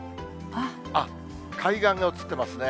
海岸が映ってますね。